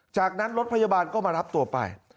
จากนั้นรถพยาบาลก็มารับตัวไป